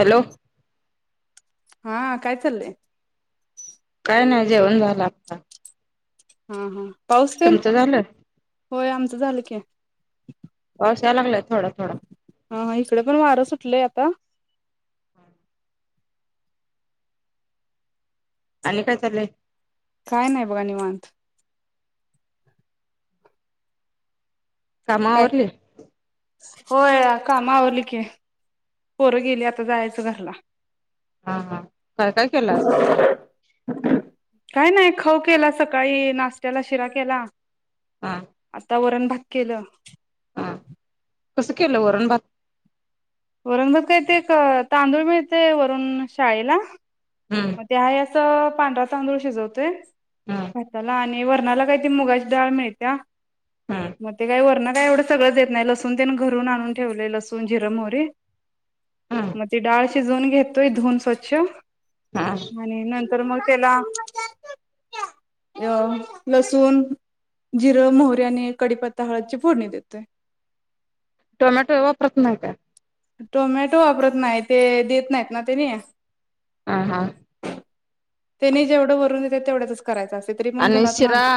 Hello! हा काय? चाललंय! का नाही? जेवण झालं. आता हा हा पाऊस तेन तुमचं झालं होय, आमचं झालं की. [unintelligible] हा हा इकडे, पण वारं सुटलंय आता. आणि काय चालय? काय नाही? बघा निवांत. कामं काय आवरली. होय काम आवरली की पोरं गेली, आता जायचं घरला. हा हा काय काय केलं? आज. काय नाही? खाऊ केला. सकाळी नाशत्याला शिरा केला. हा आता वरण भात केलं. हा कसं केलं वरण भात. वरण भात काय ते एक तांदूळ मिळतेय वरुण शाळेला हम्म मग ते हाय असं पांढर तांदूळ शिजवतोय. हम्म [unintelligible] वरणाला काही ती मुगाची डाळ मिळत्या, हम्म मग ते वरण काय एवढं सगळं येत नाही, लसून त्याने घरून आणून ठेवले. लसून, जिर, मोहरी. मग हम्म ती डाळ शिजवून घेतोय, धुऊन स्वच्छ. हा आणि नंतर मग त्याला अ लसुण जिरं, मोहरी आणि कडीपत्ता, हळदची फोडणी देतोय. टोमॅटो वापरत नाही का? टोमॅटो वापरत नाही. ते देत नाहीत, ना त्यांना. हा हा. त्यांनी जेवढं वरून दिलयं तेवढ्यातच करायचं. असे तरी पण आणि घरातून शिरा आणत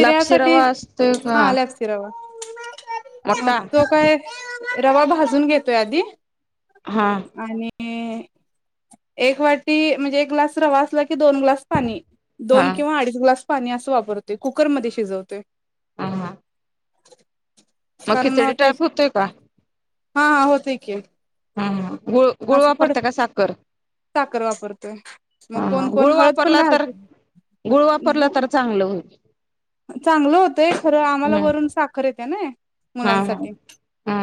लापशी रवा असतोय का हा लापशी रवा. अ मोठा तो काय रवा भाजून घेतोय, आधी. हा आणि एक वाटी म्हणजे एक ग्लास रवा असलाकी दोन ग्लास पाणी हा दोन हा किंवा अडीच ग्लास पाणी असं वापरते कुकरमध्ये शिजवते. ह हा. [unintelligible] मग कारण खिचडी ते टाईप होतोय का? हा हा होतयं, की. हा गुळ गुळ असं थोडं वापरता, का साखर? साखर वापरतोय. मग हा हा कोण कोण गुळ हळद पण वापरला तर घालतयं. गुळ वापरलं तर चांगलं होईल. चांगलं होतंय खरं आम्हाला हम्म वरून साखर येते, ना हा हा मुलांसाठी. हा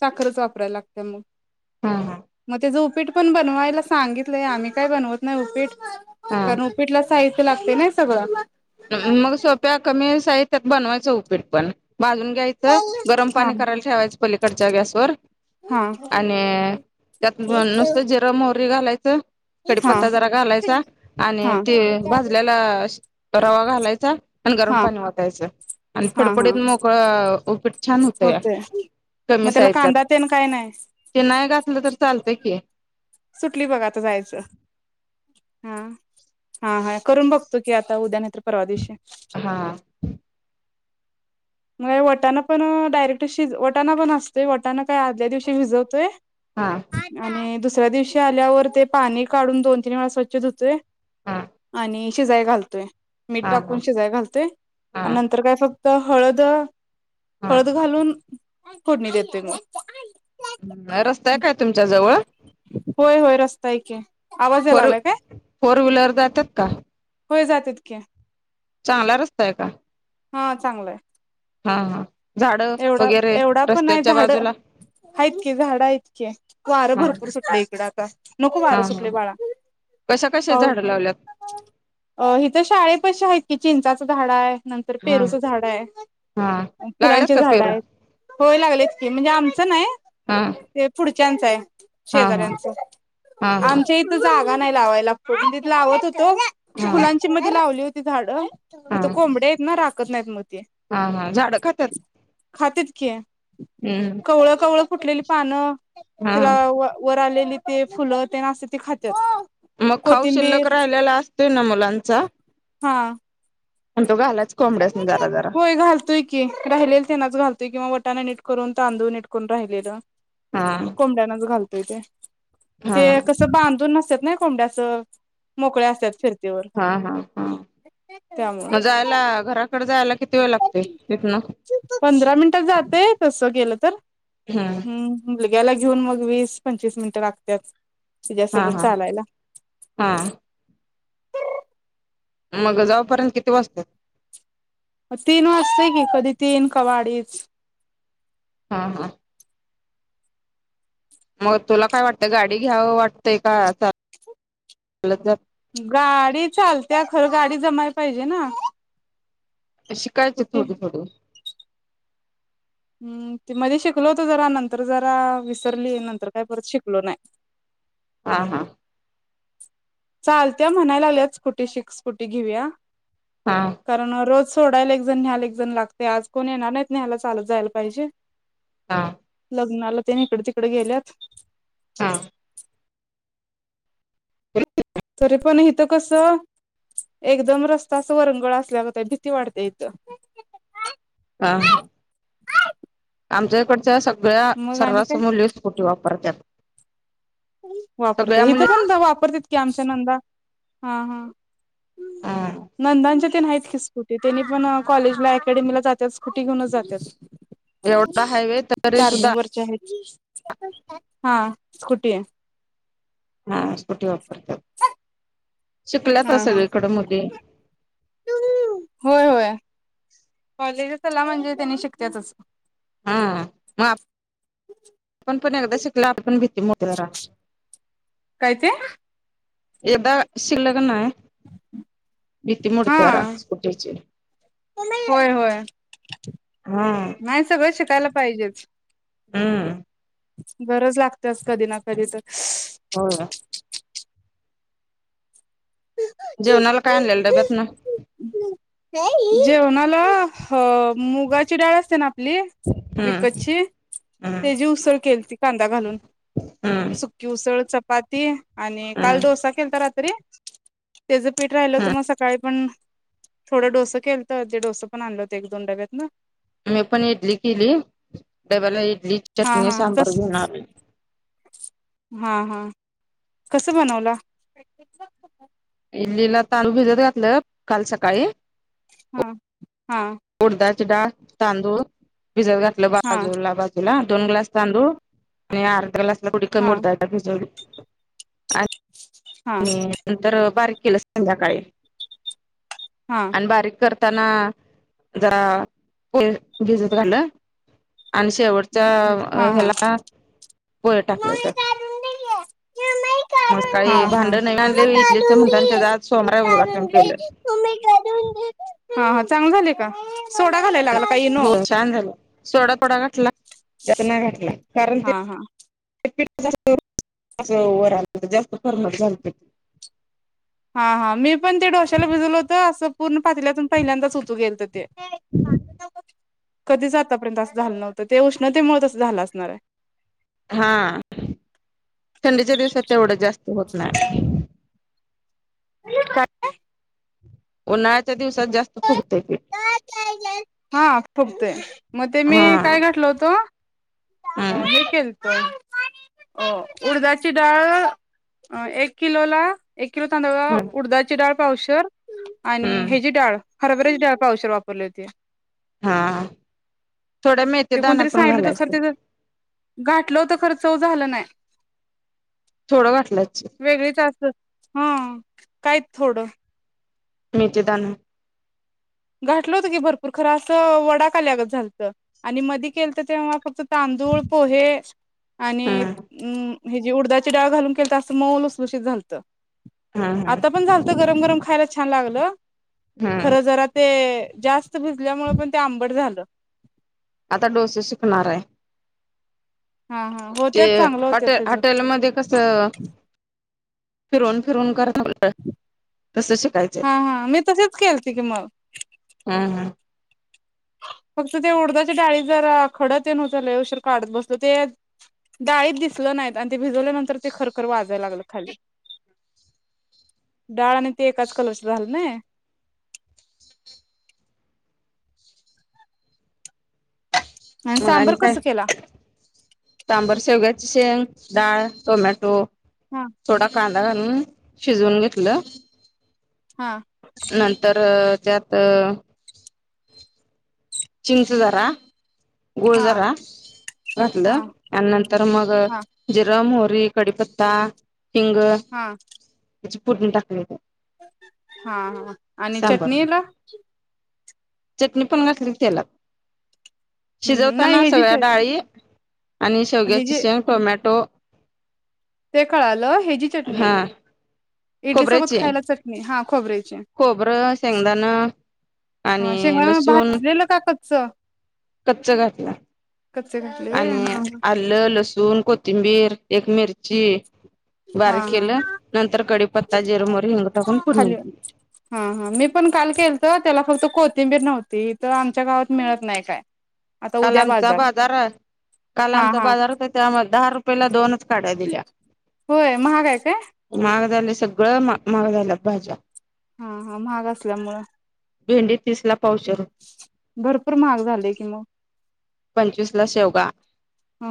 साखरच वापरायला लागतं हा मग त्या उपीट पण बनवायला सांगितलंय. आम्ही काय बनवत नाही, उपीट हा कारण उपीटला साहित्य लागते. नाही सगळं मग सोप्या कमी साहित्यात बनवायचं उपीट पण. भाजून घ्यायचं गरम हा पाणी करायला ठेवायचं. पलीकडच्या गॅसवर. हा आणि त्यात नुसत जिर, मोहरी घालायच हा कडीपता जरा घालायचा. आणि हा ते भाजल्याला रवा घालायचा आणि गरम हा पाणी ओतायच आणि फडफडीत मोकळ उपीट छान होत या होते. कमी साहित्यात ते नाहीच, घातलं तर चालतंय! की. सुटली बघा आता जायचं. हा हा हा करून बघतो कि आता उद्या नाही तर परवा दिवशी. हा म हे वटांना पण डायरेक्ट शि वटाना पण असतोय, वटाणा काय आदल्या दिवशी भिजवतोय. हा हा आणि दुसऱ्या दिवशी आल्यावर ते पाणी काढून दोन, तीन, वेळा स्वच्छ धुतोय. हा आणि शिजाय घालतोय मीठ टाकून हा शिजाय घालतोय हा नंतर काय फक हळद, हा हळद घालून फोडणी देते मग नाय रस्ताय काय तुमच्या जवळ. होय होय रस्ता हे की. आवाज यायला फोर, लागलाय काय फोर, व्हीलर जात्यात का? होय जात्यातत की. चांगला रस्ताय क? हा चांगलाय. हा हा झाड एवढा वगैरे एवढा पण नाही रस्त्याच्या झाड बाजूला. आहेत, की झाडं आहेत की, वारं हा भरपूर हा सुटल इकडे आता नको हा वारं सुटल हा. बाळा. कशा कशा झाडं लावल्यात अ हिथ शाळे पशी आहेत कि चिंचाचं झाड आहे नंतर हा पेरूचं झाड आहे हा लागल्यात फुलांचे का झाड पेरू आहे. होय लागलेच की म्हणजे आमचं नाही. हा ते आहे हा हा शेजऱ्यांचा हा हा आमच्या इथ जागा नाही लावायला तिथ लावत होत. तो हा फुलांची मध्ये लावली होती झाडं तिथ हा कोंबडे आहेत ना राखत नाहीत मग. ते हा हा झाडं खातात. खातेत की हम्म कवळं, कवळं, फुटलेली पानं. हा तिला व वर आलेली ते फुलं ते ना आसते ते खातेत. मग खाऊ शिल्लक राहिलेला असतोय ना मुलांचा. हा आणि तो घालाच कोंबड्यासनी जरा जरा होय घालतोय की राहिलेल तेनाच घातोय किवा वटाणा नीट करून तांदूळ निटकून राहिलेलं हा कोंबड्यानच घालतोय ते. हा ते कसं बांधून नसतात नाही कोंड्याचं मोकळ्या असतात फिरत हा हा हा त्यामुळं मग जायला घराकडे जायला किती वेळ लागते तिथनं. पंधरा मिनिटात जातय तस गेलं तर हम्म हम. मुलग्याला घेऊन मग वीस पंचवीस मिनिटं लागत्यात. हा तीच्यासोबत हा चालायला. हा मग जाऊपर्यंत किती वाजत तीन वाजते की कधी तीन कवा आडी हा हा. म तुला काय वाटतंय गाडी घ्यावं वाटतय का आता गाडी चालतया खर गाडी जमायला पाहिजे ना. शिकायचे कुठे थोडी थोडी हम्म मध्ये शिकलो होतो जरा नंतर जरा विसरली नंतर काही परत शिकलो नाही. हा. चालत म्हणायला लागल्या, स्कुटी शिक स्कुटी घेऊया हा कारण रोज सोडायला एकजण, न्यायला एकजण लागते, आज कोण येणार नाहीत, नेहायला चालत जायला पाहिजे. हा! लग्नाला, ते इकड तिकडे गेल्यात. हा! हा [unintelligible] तरी पण हीत कस. एकदम रस्ताच वरंगळ असल्यागत आहे भीती वाढते इथ. हा! आमच्याकडच्या सगळ्या मग आणि सर्रास काय मुली स्कूटी वापरतात. वापरते सगळ्या हिथ मुली पण वापरत की आमच्या नंदा, हा हा. हं, नंदांच्या तेन आहेत की स्कुटी त्यांनी पण कॉलेजला अकॅडमीला जात स्कुटी घेऊनच जातात. एवढा हायवे तरी सुद्धा चार्जिंग वरचे आहेत हा स्कुटी आहे. हा स्कुटी वापरतात, शिकल्यात हा हा सगळीकडे मुली. होय होय कॉलेजचा ला म्हणजे त्यांनी शिकतेचच. हम म आपण पण एकदा शिकला आपण पण भीती [unintelligible] जरा. काय ते? एकदा शिकलं की नाय. [inaudible] भीती मोडते जरा हा स्कूटीची. होय होय हा नाही सगळं शिकायला पाहिजेच. हम्म. गरज लागतेच कधी ना कधी तर. होय. जेवणाला काय आणलेल डब्यातन. जेवणाला मुगाची डाळ असते ना आपली. हम्म विकतची हम्म तेजी उसळ केलती. कांदा घालून हम्म सुकी उसळ चपाती आणि हम्म काल डोसा केलाता रा त्री तेच पीठ राहिलं होत मग हम्म सकाळी पण थोडं डोसं केलं तर जे डोंस पण आणलं होते एक दोन डब्यात नं. मी पण इडली केली. डब्याला एक ली हा चटणी हा सांबर कस घेऊन आलोय. कस बनवला? इडलीला तांदूळ भिजत घातलं काल सकाळी. हा हा. उडदाची डाळ तांदूळ भिजत घातलं हा बाजूला बाजूला. दोन ग्लास तांदूळ आणि अर्ध ग्लासला थोडी कमी डाळ हा हा उडदाची डाळ भिजवली. हा आणि नंतर बारीक केलं संध्याकाळी हा आणि बारीक कर. ताना जरा भिजत घालं. आणि शेवटच्या हा ह्याला पोहे टाकले त्यात मग सकाळी. हा भांड नवीन आणले मम्मा इडलीच काढून म्हणता आणि त्याच दे. आज हे सोमवार आहे उद्घाटन काढून दे केलं मम्मी काढून दे. हा हा चांगल झाले का? सोडा घालायला लागला का इनो हो छान झाला सोडा थोडा घातला जास्त नाही घातला. कारण ते हा हा. [unintelligible] जास्त गरम झालत ते. हा हा मी पण ते डोश्याला भिजवल होत असं पूर्ण पातल्यातून पहिल्यांदाच उतू गेलतते. [inaudible] कधीच आतापर्यंत असं झालं नव्हतं ते उष्णतेमुळ तसं झालं असणार आहे. हा थंडीच्या दिवसात तेवढं जास्त होत नाही. काय? उन्हाळ्याच्या दिवसात जास्त फुगतय ते. हा फुगते. मग, ते हा मी काय घातलं होतो हम्म हे केलंत. उडदाची डाळ एक किलो ला एक किलो तांदळाला हम्म उडदाची डाळ पावशेर आणि हम्म ह्यांची डाळ हरभऱ्याची डाळ पावशेर वापरले होते. हा थोड्या मेथी ते दाना कोणतरी पण सांगितलं तर घालायचा खरं त्यात. त्याचं घातलं खर चव झालं नाही. छोडं घातलंच. हम्म काय थोडं. मेथी दाणे. घाठलं होतं की भरपूर खर असं वडा का ल्यागत झालत आणि मध्ये केलंत तेव्हा [unintelligible] परत तांदूळ पोहे आणि हम्म अम्म. हेजी उडदाची डाळ घालून केलत अस मऊ लुसलुशित झालत हम्म हम्म आता पण झालत. गरम गरम खायला छान लागल हम्म खर जरा ते जास्त भिजल्यामुळे पण ते आंबट झालं. आता डोसे शिकणार हाय. हा हा ते होत्यात चांगलं होत्यात हॉटे त्याचं हॉटेल मध्ये कस फिरवुन फिरवुन कर हम् [unintelligible] हा हा मी तसेच केलते कि मग. हम्म हम्म फक्त ते उडदाच्या डाळीत जरा खड तेन होत लई उशीर काढत बसलो ते डाळीत दिसल नाहीत आणि ते भिजवल्यानंतर ते खरखर वाजायला लागलं खाली. डाळ आणि ते एकाच कलरच झालं नी, [inaudible] आणि मग सांबर काय कस केला? सांबर शेवग्याची शेंग डाळ टोमॅटो हा थोडा कांदा. [unintelligible] कांदा घालुन शिजवून घेतलं. हा नंतर अ त्यात अ. चिंच जरा गुळ हा जरा हा घातलं त्यानंतर मग हा हा जिर मोहर री कडीपत्ता हिंग याची फोडणी टाकली त्यात. हा हा आणि सांबर चटणीला? चटणी पण घातली कि तेलात नाही शिजवताना हेजी सगळ्या चट डाळी आणि शेवग्याची हेजी शेंग टोमॅटो ते कळालं हेजी चटणी हा हे इडली सोबत खोबऱ्याची खायला चटणी हा खोबऱ्याची खोबरं शेंगदाण हा आणि शेंगदाणा लसूण. भाजलेलं का कच्च कच्च घातला कच्चे घातले होय आणि हा आलं लसूण कोथिंबीर एक मिर्ची हा बारीक हा केलं नंतर कडीपत्ता जिर मोहरी हिंग टाकून फोडणी खाली दिली. हा हा मी पण काल केलत त्याला फक्त कोथिंबीर नव्हती इथ आमच्या गावात मिळत नाही काय. आता काल उद्या आमचा बाजार काल हा आमचा हा बाजार होता त्यामुळं दहा रुप पहिला दोनच काढ्या दिल्या. होय महागय काय? सगळ म मा महाग [unintelligible] झाल्या त भाज्या. हा हा महाग असल्यामुळं. भेंडी तिसला प भरपूर महाग झाले कि मग. पंचवीसला शेवगा.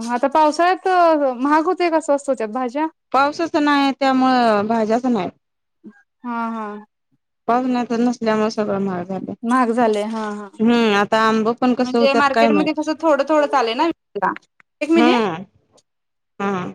हआता पावसाळ्यात महाग होते का स्वस्त होत्या भाज्या पावसाच नाही त्यामुळं भाज्याच नाही. हा हा. नसल्या [unintelligible] सगळ माहाग झालं महाग झाले हा हा हम्म आता आंब पण कस म्हणजे होत्यात काय मार्केटमध्ये माहिती. कसं [unintelligible] एक मिनट. हम्म